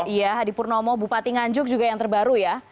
iya hadi purnomo bupati nganjuk juga yang terbaru ya